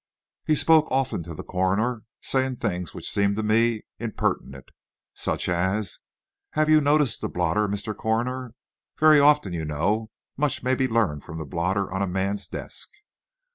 He spoke often to the coroner, saying things which seemed to me impertinent, such as, "Have you noticed the blotter, Mr. Coroner? Very often, you know, much may be learned from the blotter on a man's desk."